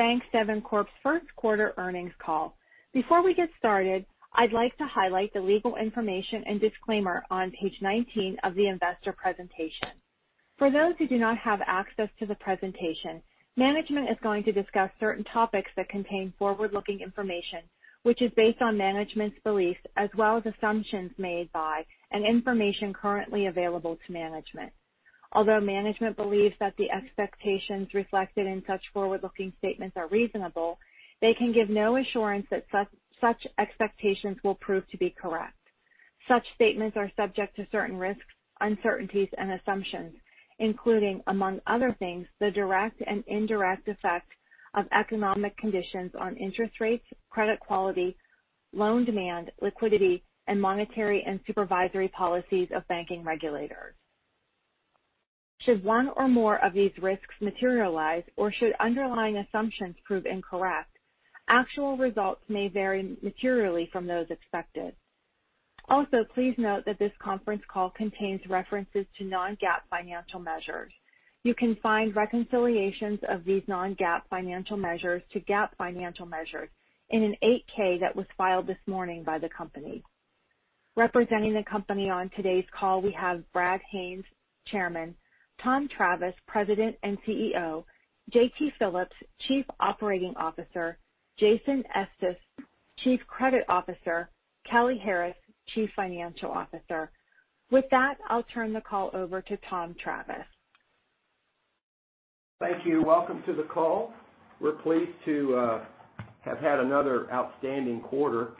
Welcome to Bank7 Corp's first quarter earnings call. Before we get started, I'd like to highlight the legal information and disclaimer on page 19 of the investor presentation. For those who do not have access to the presentation, management is going to discuss certain topics that contain forward-looking information, which is based on management's beliefs, as well as assumptions made by, and information currently available to management. Although management believes that the expectations reflected in such forward-looking statements are reasonable, they can give no assurance that such expectations will prove to be correct. Such statements are subject to certain risks, uncertainties and assumptions, including, among other things, the direct and indirect effects of economic conditions on interest rates, credit quality, loan demand, liquidity, and monetary and supervisory policies of banking regulators. Should one or more of these risks materialize or should underlying assumptions prove incorrect, actual results may vary materially from those expected. Please note that this conference call contains references to non-GAAP financial measures. You can find reconciliations of these non-GAAP financial measures to GAAP financial measures in an 8-K that was filed this morning by the company. Representing the company on today's call, we have Brad Haines, Chairman, Tom Travis, President and CEO, J.T. Phillips, Chief Operating Officer, Jason Estes, Chief Credit Officer, Kelly Harris, Chief Financial Officer. I'll turn the call over to Tom Travis. Thank you. Welcome to the call. We're pleased to have had another outstanding quarter.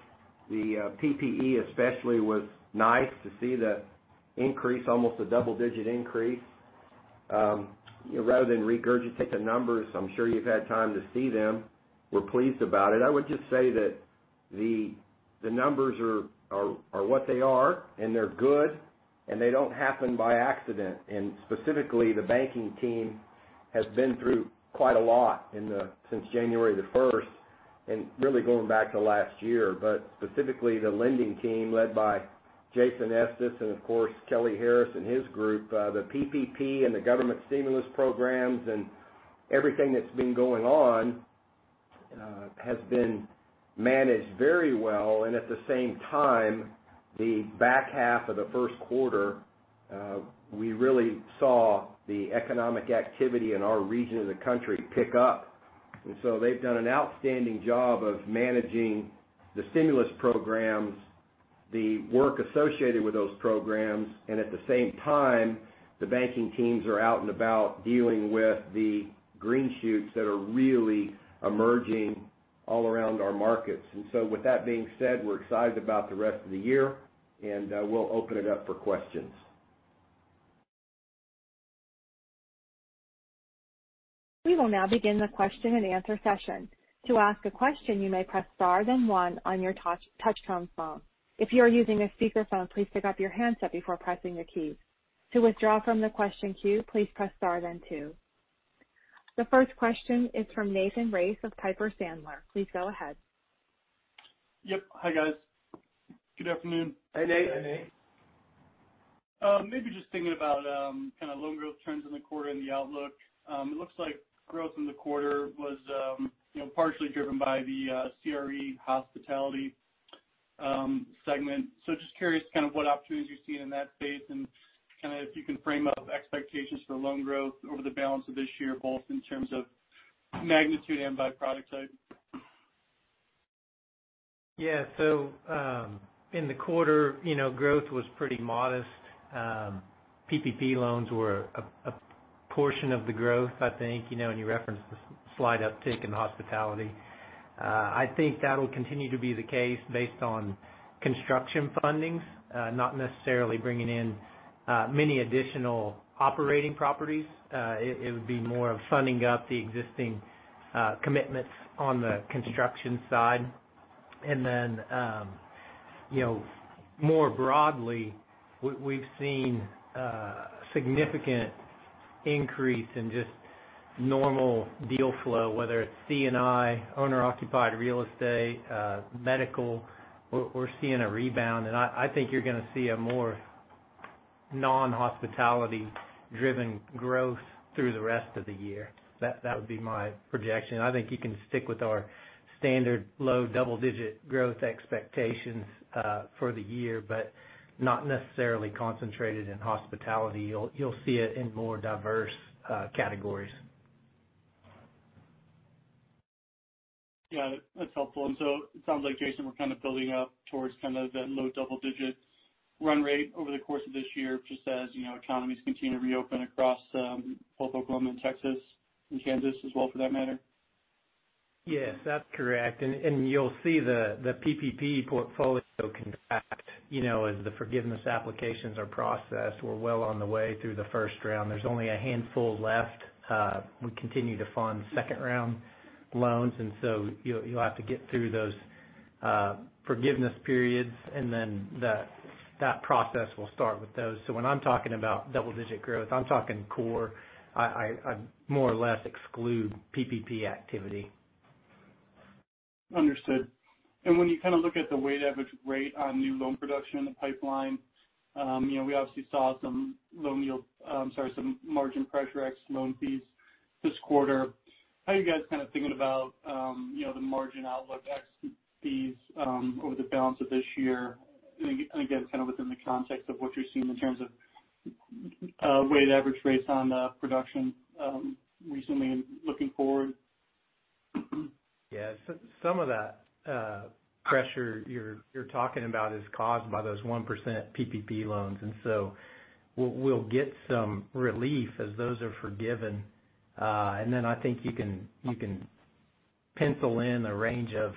The PPE especially was nice to see the increase, almost a double-digit increase. Rather than regurgitate the numbers, I'm sure you've had time to see them. We're pleased about it. I would just say that the numbers are what they are, and they're good, and they don't happen by accident. Specifically, the banking team has been through quite a lot since January the 1st, and really going back to last year. Specifically, the lending team led by Jason Estes and of course, Kelly Harris and his group, the PPP and the government stimulus programs and everything that's been going on, has been managed very well. At the same time, the back half of the first quarter, we really saw the economic activity in our region of the country pick up. They've done an outstanding job of managing the stimulus programs, the work associated with those programs, and at the same time, the banking teams are out and about dealing with the green shoots that are really emerging all around our markets. With that being said, we're excited about the rest of the year, and we'll open it up for questions. We will now begin the question and answer session. To ask a question, you may press star then one on your touch-tone phone. If you are using a speakerphone, please pick up your handset before pressing a key. To withdraw from the question queue, please press star then two. The first question is from Nathan Race of Piper Sandler. Please go ahead. Yep. Hi, guys. Good afternoon. Hey, Nate. Hey, Nate. Maybe just thinking about kind of loan growth trends in the quarter and the outlook. It looks like growth in the quarter was partially driven by the CRE hospitality segment. Just curious kind of what opportunities you're seeing in that space, and if you can frame up expectations for loan growth over the balance of this year, both in terms of magnitude and by product type. Yeah. In the quarter, growth was pretty modest. PPP loans were a portion of the growth, I think, and you referenced the slight uptick in hospitality. I think that'll continue to be the case based on construction fundings, not necessarily bringing in many additional operating properties. It would be more of funding up the existing commitments on the construction side. More broadly, we've seen a significant increase in just normal deal flow, whether it's C&I, owner-occupied real estate, medical. We're seeing a rebound, and I think you're going to see a more non-hospitality driven growth through the rest of the year. That would be my projection. I think you can stick with our standard low double-digit growth expectations for the year, but not necessarily concentrated in hospitality. You'll see it in more diverse categories. Got it. That's helpful. It sounds like, Jason, we're kind of building up towards kind of that low double-digit run rate over the course of this year, just as economies continue to reopen across both Oklahoma and Texas, and Kansas as well for that matter. Yes, that's correct. You'll see the PPP portfolio contract, as the forgiveness applications are processed. We're well on the way through the first round. There's only a handful left. We continue to fund second round loans, and so you'll have to get through those forgiveness periods, and then that process will start with those. When I'm talking about double-digit growth, I'm talking core. I more or less exclude PPP activity. Understood. When you look at the weighted average rate on new loan production in the pipeline, we obviously saw some margin pressure ex loan fees this quarter. How are you guys thinking about the margin outlook ex fees over the balance of this year, again, within the context of what you're seeing in terms of weighted average rates on production recently and looking forward? Yeah. Some of that pressure you're talking about is caused by those 1% PPP loans. We'll get some relief as those are forgiven. I think you can pencil in a range of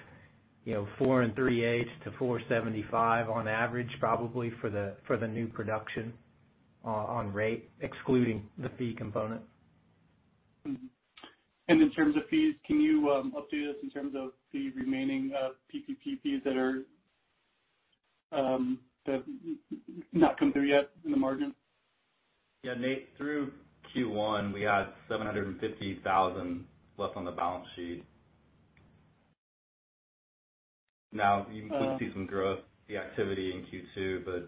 4% and 3.8%-4.75% on average, probably, for the new production on rate, excluding the fee component. In terms of fees, can you update us in terms of the remaining PPP fees that have not come through yet in the margin? Yeah, Nate, through Q1, we had $750,000 left on the balance sheet. Now, you can probably see some growth, the activity in Q2.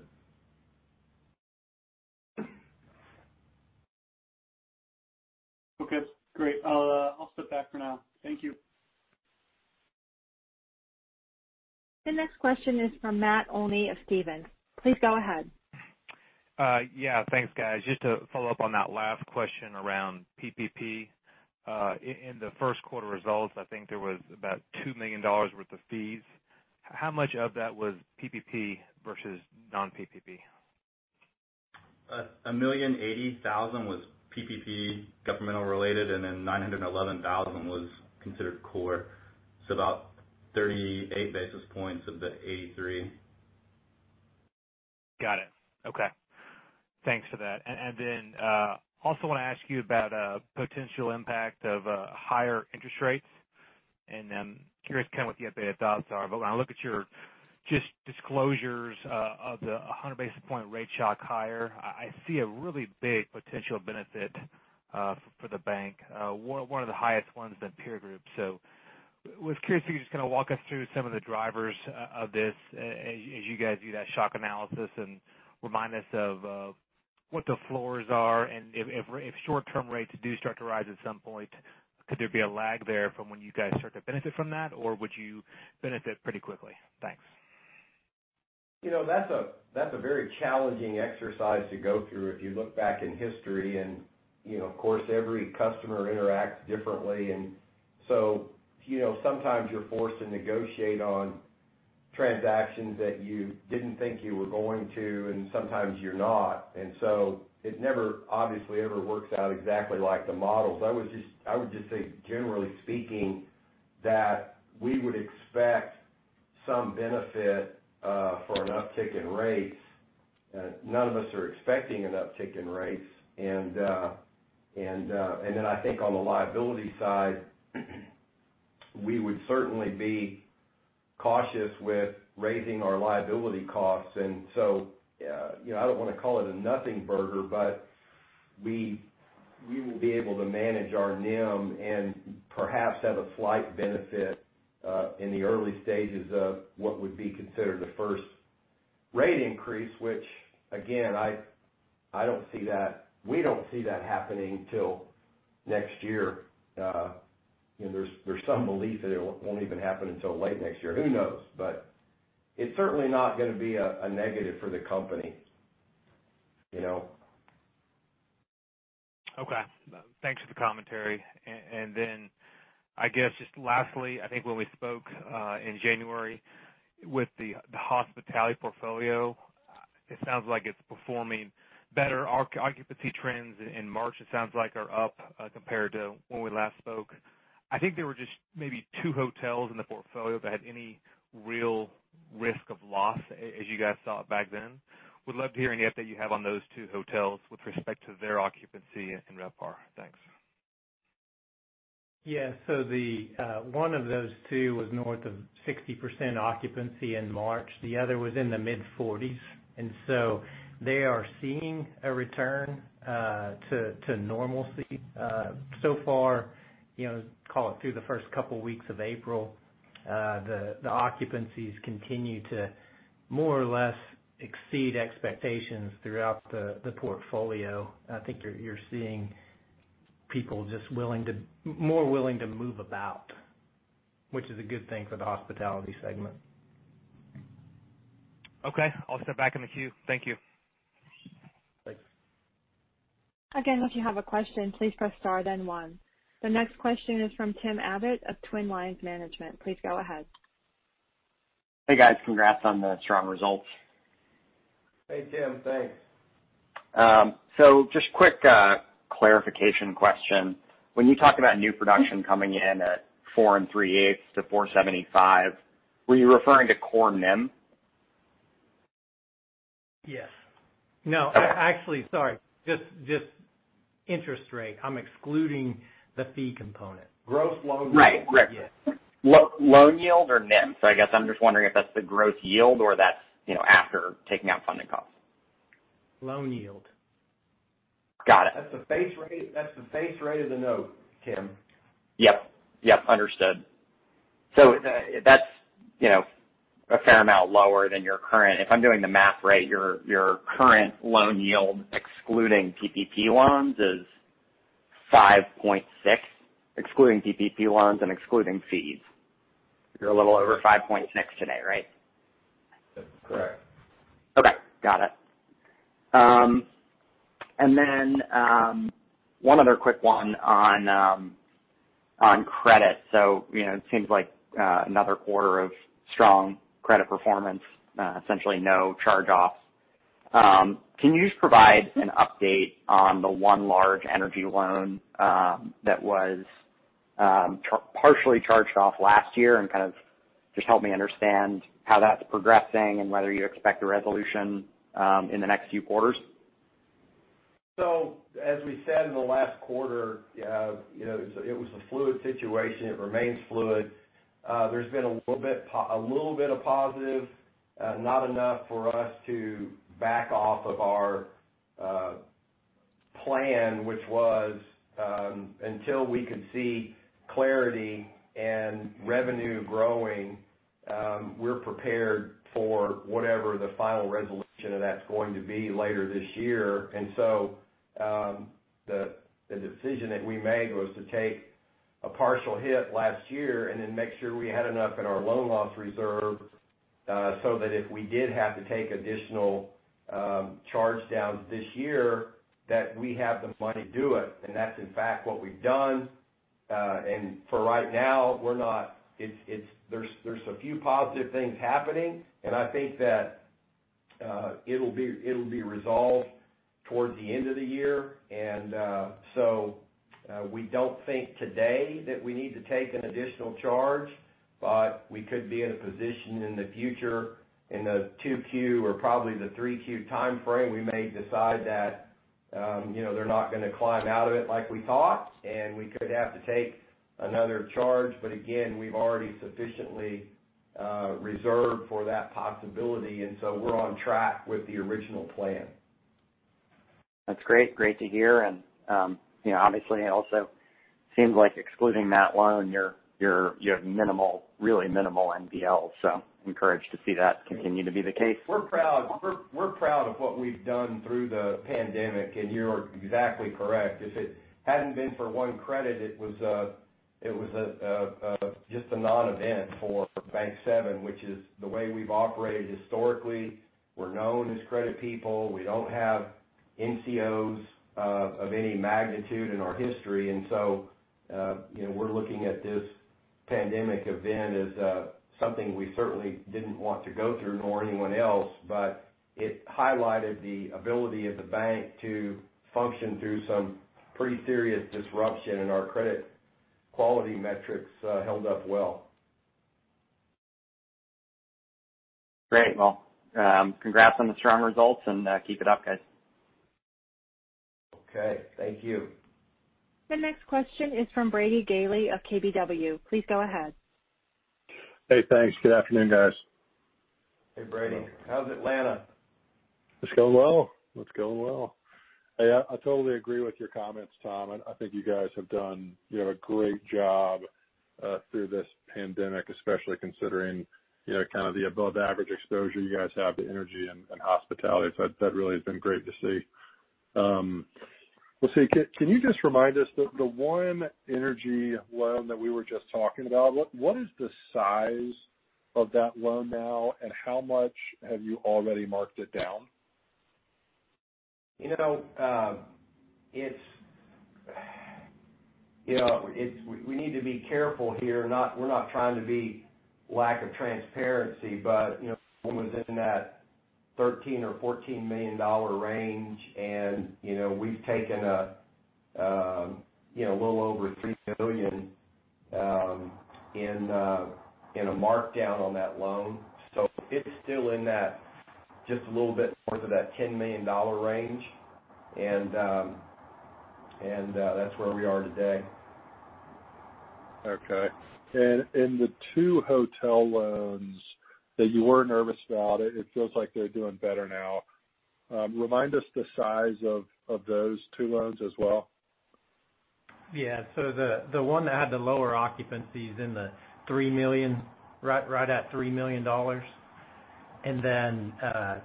Okay, great. I'll step back for now. Thank you. The next question is from Matt Olney of Stephens. Please go ahead. Yeah, thanks guys. Just to follow up on that last question around PPP. In the first quarter results, I think there was about $2 million worth of fees. How much of that was PPP versus non-PPP? $1,080,000 was PPP governmental related, and then $911,000 was considered core. About 38 basis points of the 83. Got it. Okay. Thanks for that. Then, also want to ask you about potential impact of higher interest rates, and curious what the updated thoughts are. When I look at your disclosures of the 100 basis point rate shock higher, I see a really big potential benefit for the bank. One of the highest ones in the peer group. Was curious if you could just walk us through some of the drivers of this as you guys do that shock analysis, and remind us of what the floors are, and if short-term rates do start to rise at some point, could there be a lag there from when you guys start to benefit from that, or would you benefit pretty quickly? Thanks. That's a very challenging exercise to go through. If you look back in history and, of course, every customer interacts differently. Sometimes you're forced to negotiate on transactions that you didn't think you were going to, and sometimes you're not. It never, obviously, ever works out exactly like the models. I would just say, generally speaking, that we would expect some benefit for an uptick in rates. None of us are expecting an uptick in rates. Then I think on the liability side, we would certainly be cautious with raising our liability costs. I don't want to call it a nothing burger, but we will be able to manage our NIM and perhaps have a slight benefit, in the early stages of what would be considered the first rate increase, which again, we don't see that happening till next year. There's some belief that it won't even happen until late next year. Who knows? It's certainly not going to be a negative for the company. Okay. Thanks for the commentary. I guess just lastly, I think when we spoke in January with the hospitality portfolio, it sounds like it's performing better. Occupancy trends in March, it sounds like, are up compared to when we last spoke. I think there were just maybe two hotels in the portfolio that had any real risk of loss as you guys saw it back then. Would love to hear any update you have on those two hotels with respect to their occupancy and RevPAR. Thanks. Yeah. One of those two was north of 60% occupancy in March. The other was in the mid-40s. They are seeing a return to normalcy. So far, call it through the first couple of weeks of April, the occupancies continue to more or less exceed expectations throughout the portfolio. I think you're seeing people just more willing to move about, which is a good thing for the hospitality segment. Okay. I'll step back in the queue. Thank you. Thanks. Again, if you have a question, please press star then one. The next question is from Tim Abbott of Twin Lions Management. Please go ahead. Hey, guys. Congrats on the strong results. Hey, Tim. Thanks. Just quick clarification question. When you talk about new production coming in at four and 3.8%-4.75%, were you referring to core NIM? Yes. No, actually, sorry, just interest rate. I'm excluding the fee component. Gross loan yield. Right. Great. Yes. Loan yield or NIM? I guess I'm just wondering if that's the gross yield or that's after taking out funding costs. Loan yield. Got it. That's the face rate of the note, Tim. Yep. Understood. That's a fair amount lower than your current. If I'm doing the math right, your current loan yield, excluding PPP loans, is 5.6%? Excluding PPP loans and excluding fees. You're a little over 5.6% today, right? That's correct. Okay, got it. One other quick one on credit. It seems like another quarter of strong credit performance, essentially no charge-offs. Can you just provide an update on the one large energy loan that was partially charged off last year and kind of just help me understand how that's progressing and whether you expect a resolution in the next few quarters? As we said in the last quarter, it was a fluid situation. It remains fluid. There's been a little bit of positive, not enough for us to back off of our plan, which was, until we could see clarity and revenue growing, we're prepared for whatever the final resolution of that's going to be later this year. The decision that we made was to take a partial hit last year and then make sure we had enough in our loan loss reserve, so that if we did have to take additional charge downs this year, that we have the money to do it. That's in fact what we've done. For right now, there's a few positive things happening, and I think that it'll be resolved towards the end of the year. We don't think today that we need to take an additional charge, but we could be in a position in the future, in the 2Q or probably the 3Q timeframe, we may decide that they're not going to climb out of it like we thought, and we could have to take another charge. Again, we've already sufficiently reserved for that possibility, and so we're on track with the original plan. That's great. Great to hear. Obviously, it also seems like excluding that loan, you have minimal, really minimal NPLs. Encouraged to see that continue to be the case. We're proud of what we've done through the pandemic, and you're exactly correct. If it hadn't been for one credit, it was just a non-event for Bank7, which is the way we've operated historically. We're known as credit people. We don't have NCOs of any magnitude in our history. We're looking at this pandemic event as something we certainly didn't want to go through, nor anyone else, but it highlighted the ability of the bank to function through some pretty serious disruption, and our credit quality metrics held up well. Great. Well, congrats on the strong results, and keep it up, guys. Okay. Thank you. The next question is from Brady Gailey of KBW. Please go ahead. Hey, thanks. Good afternoon, guys. Hey, Brady. How's Atlanta? It's going well. Hey, I totally agree with your comments, Tom. I think you guys have done a great job through this pandemic, especially considering the above average exposure you guys have to energy and hospitality. That really has been great to see. Let's see. Can you just remind us, the one energy loan that we were just talking about, what is the size of that loan now, and how much have you already marked it down? We need to be careful here. We're not trying to be lack of transparency. It was in that $13 million or $14 million range. We've taken a little over $3 million in a markdown on that loan. It's still in that, just a little bit north of that $10 million range. That's where we are today. Okay. The two hotel loans that you were nervous about, it feels like they're doing better now. Remind us the size of those two loans as well. Yeah. The one that had the lower occupancy is in the $3 million, right at $3 million.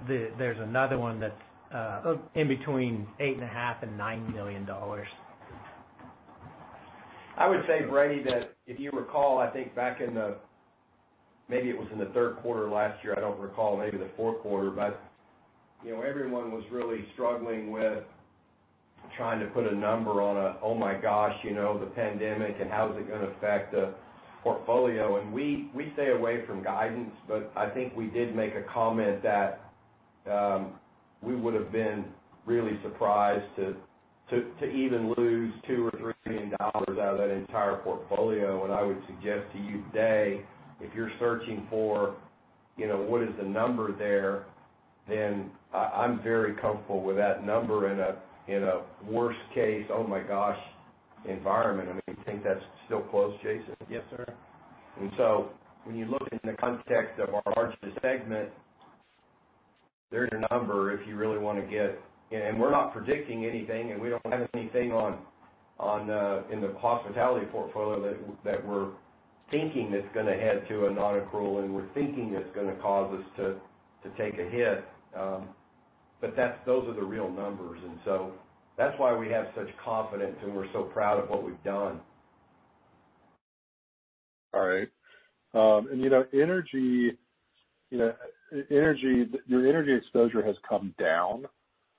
There's another one that's in between $8.5 million and $9 million. I would say, Brady, that if you recall, I think back in the, maybe it was in the third quarter last year, I don't recall, maybe the fourth quarter, but everyone was really struggling with trying to put a number on a, oh my gosh, the pandemic and how is it going to affect the portfolio. We stay away from guidance, but I think we did make a comment that we would've been really surprised to even lose $2 million or $3 million out of that entire portfolio. And I would suggest to you today, if you're searching for what is the number there, then I'm very comfortable with that number in a worst case, oh my gosh, environment. I mean, do you think that's still close, Jason? Yes, sir. When you look in the context of our larger segment. There's your number if you really want to get. We're not predicting anything, and we don't have anything in the hospitality portfolio that we're thinking that's going to head to a non-accrual, and we're thinking that's going to cause us to take a hit. Those are the real numbers, and so that's why we have such confidence and we're so proud of what we've done. All right. Your energy exposure has come down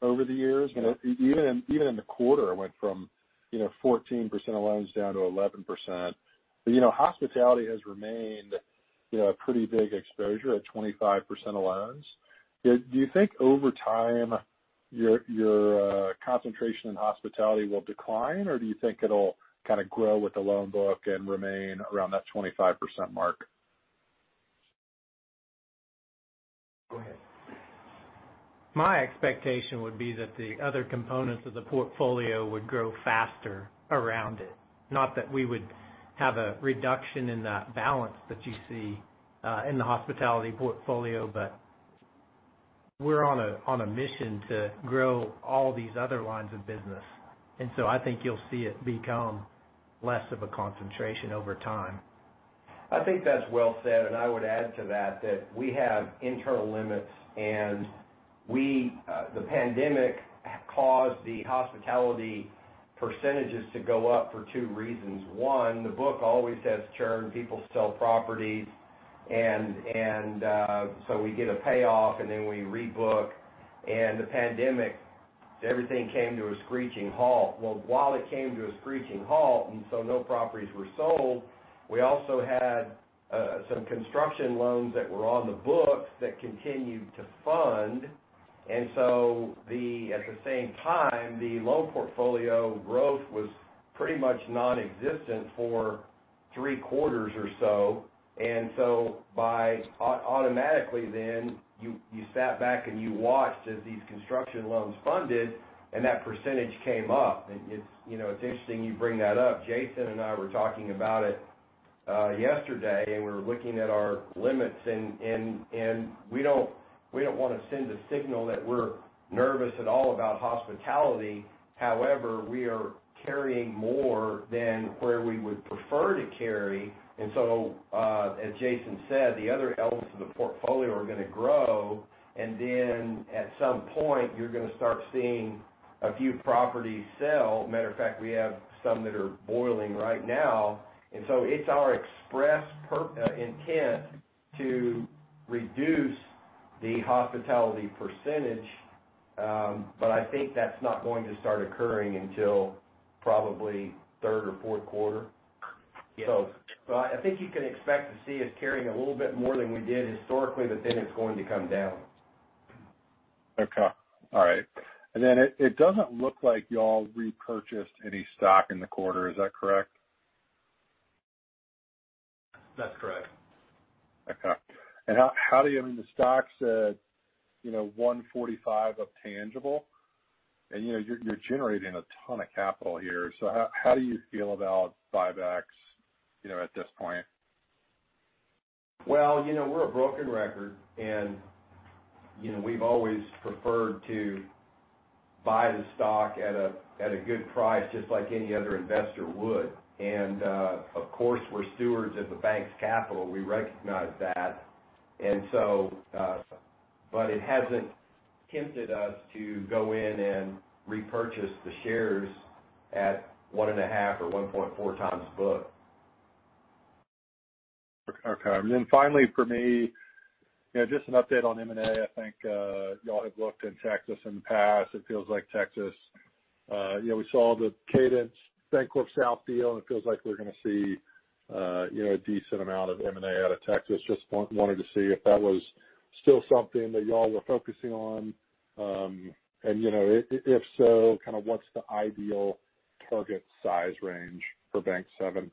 over the years. Yes. Even in the quarter, it went from 14% of loans down to 11%. Hospitality has remained a pretty big exposure at 25% of loans. Do you think over time, your concentration in hospitality will decline, or do you think it'll kind of grow with the loan book and remain around that 25% mark? Go ahead. My expectation would be that the other components of the portfolio would grow faster around it, not that we would have a reduction in the balance that you see in the hospitality portfolio, but we're on a mission to grow all these other lines of business. I think you'll see it become less of a concentration over time. I think that's well said. I would add to that we have internal limits and the pandemic caused the hospitality percentages to go up for two reasons. One, the book always has churn. People sell properties, we get a payoff, then we rebook. The pandemic, everything came to a screeching halt. While it came to a screeching halt, no properties were sold, we also had some construction loans that were on the books that continued to fund. At the same time, the loan portfolio growth was pretty much non-existent for three quarters or so. Automatically then, you sat back and you watched as these construction loans funded, that percentage came up. It's interesting you bring that up. Jason and I were talking about it yesterday, and we were looking at our limits, and we don't want to send a signal that we're nervous at all about hospitality. However, we are carrying more than where we would prefer to carry. As Jason said, the other elements of the portfolio are going to grow, and then at some point, you're going to start seeing a few properties sell. Matter of fact, we have some that are boiling right now. It's our express intent to reduce the hospitality percentage. I think that's not going to start occurring until probably third or fourth quarter. Yes. I think you can expect to see us carrying a little bit more than we did historically, but then it's going to come down. Okay. All right. It doesn't look like you all repurchased any stock in the quarter. Is that correct? That's correct. Okay. The stock's at 145 of tangible, and you're generating a ton of capital here. How do you feel about buybacks at this point? Well, we're a broken record, we've always preferred to buy the stock at a good price just like any other investor would. Of course, we're stewards of the Bank7's capital. We recognize that. It hasn't tempted us to go in and repurchase the shares at one and a half or 1.4x book. Okay. Finally for me, just an update on M&A. I think you all have looked in Texas in the past. We saw the Cadence BancorpSouth deal. It feels like we're going to see a decent amount of M&A out of Texas. Just wanted to see if that was still something that you all were focusing on. If so, kind of what's the ideal target size range for Bank7?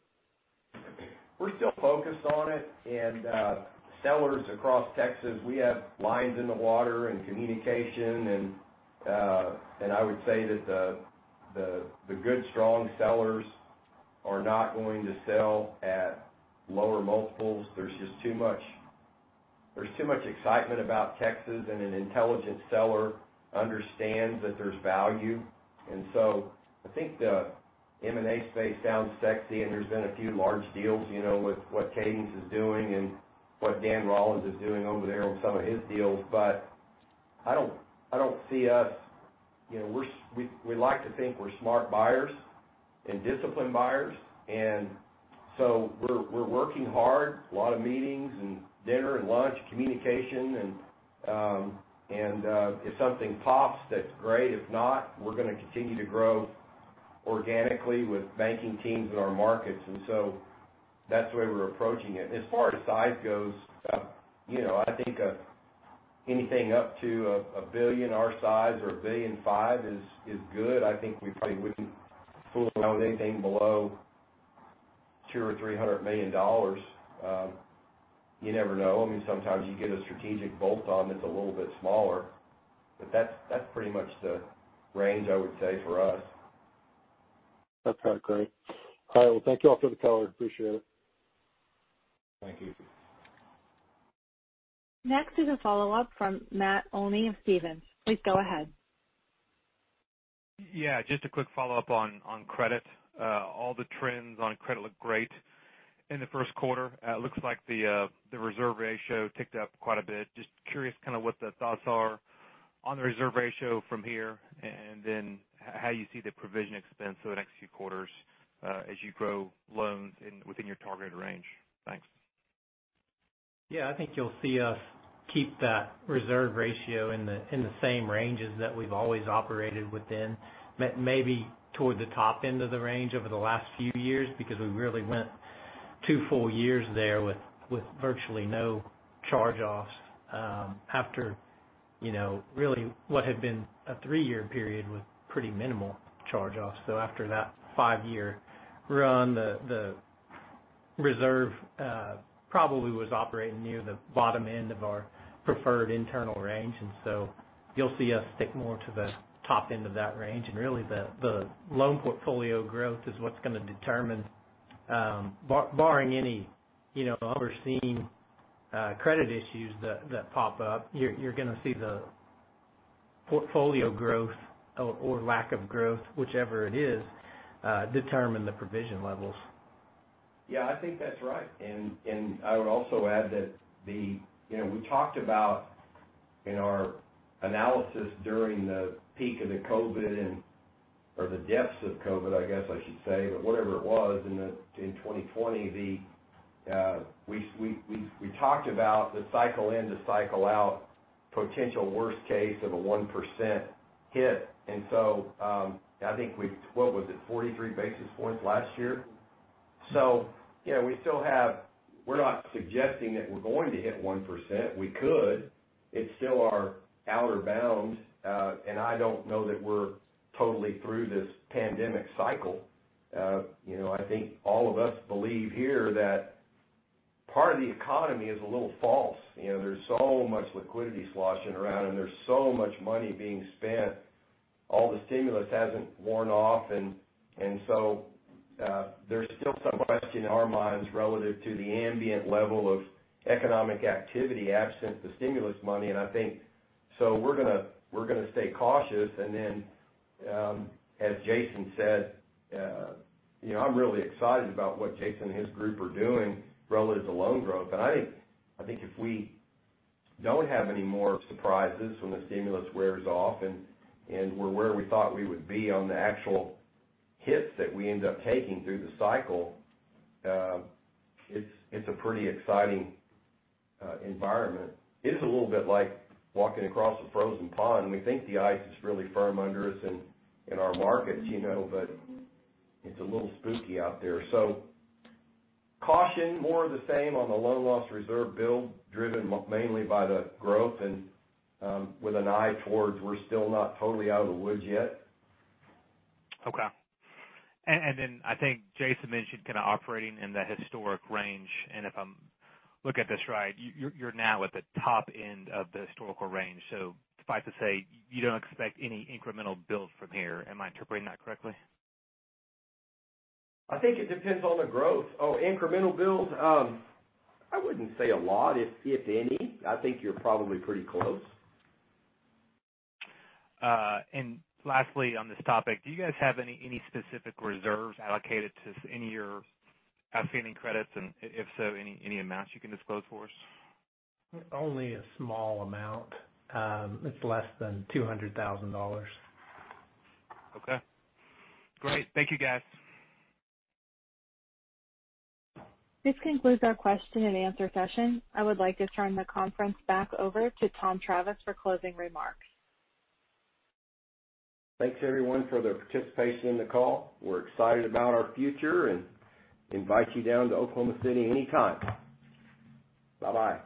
We're still focused on it. Sellers across Texas, we have lines in the water and communication, and I would say that the good, strong sellers are not going to sell at lower multiples. There's too much excitement about Texas, and an intelligent seller understands that there's value. I think the M&A space sounds sexy, and there's been a few large deals, with what Cadence is doing and what Dan Rollins is doing over there on some of his deals. We like to think we're smart buyers and disciplined buyers. We're working hard, a lot of meetings and dinner and lunch, communication, and if something pops, that's great. If not, we're going to continue to grow organically with banking teams in our markets. That's the way we're approaching it. As far as size goes, I think anything up to $1 billion our size or $1.5 billion is good. I think we probably wouldn't fool around with anything below $200 million or $300 million. You never know. Sometimes you get a strategic bolt-on that's a little bit smaller. That's pretty much the range I would say for us. That's probably great. All right. Well, thank you all for the color. Appreciate it. Thank you. Next is a follow-up from Matt Olney of Stephens. Please go ahead. Yeah, just a quick follow-up on credit. All the trends on credit look great in the first quarter. It looks like the reserve ratio ticked up quite a bit. Just curious kind of what the thoughts are on the reserve ratio from here, and then how you see the provision expense over the next few quarters, as you grow loans within your targeted range. Thanks. Yeah, I think you'll see us keep that reserve ratio in the same ranges that we've always operated within, maybe toward the top end of the range over the last few years, because we really went two full years there with virtually no charge-offs, after really what had been a three-year period with pretty minimal charge-offs. After that five-year run, the reserve probably was operating near the bottom end of our preferred internal range, and so you'll see us stick more to the top end of that range. Really, the loan portfolio growth is what's going to determine, barring any unforeseen credit issues that pop up, you're going to see the portfolio growth, or lack of growth, whichever it is, determine the provision levels. Yeah, I think that's right. I would also add that we talked about in our analysis during the peak of the COVID, or the depths of COVID, I guess I should say, but whatever it was in 2020, we talked about the cycle in to cycle out potential worst case of a 1% hit. I think what was it? 43 basis points last year. We're not suggesting that we're going to hit 1%. We could. It's still our outer bound. I don't know that we're totally through this pandemic cycle. I think all of us believe here that part of the economy is a little false. There's so much liquidity sloshing around, and there's so much money being spent. All the stimulus hasn't worn off. There's still some question in our minds relative to the ambient level of economic activity absent the stimulus money. I think we're going to stay cautious. As Jason said, I'm really excited about what Jason and his group are doing relative to loan growth. I think if we don't have any more surprises when the stimulus wears off, and we're where we thought we would be on the actual hits that we end up taking through the cycle, it's a pretty exciting environment. It's a little bit like walking across a frozen pond. We think the ice is really firm under us in our markets, but it's a little spooky out there. Caution, more of the same on the loan loss reserve build, driven mainly by the growth and with an eye towards we're still not totally out of the woods yet. Okay. I think Jason mentioned kind of operating in the historic range, and if I'm looking at this right, you're now at the top end of the historical range. Suffice to say, you don't expect any incremental build from here. Am I interpreting that correctly? I think it depends on the growth. Oh, incremental build? I wouldn't say a lot, if any. I think you're probably pretty close. Lastly, on this topic, do you guys have any specific reserves allocated to any of your outstanding credits? And if so, any amounts you can disclose for us? Only a small amount. It's less than $200,000. Okay. Great. Thank you, guys. This concludes our question and answer session. I would like to turn the conference back over to Tom Travis for closing remarks. Thanks, everyone, for the participation in the call. We're excited about our future and invite you down to Oklahoma City anytime. Bye-bye.